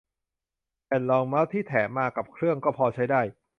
แผ่นรองเมาส์ที่แถมมากับเครื่องก็พอใช้ได้